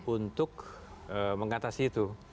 untuk mengatasi itu